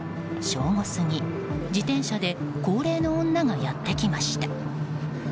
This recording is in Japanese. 正午過ぎ、自転車で高齢の女がやってきました。